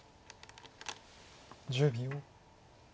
１０秒。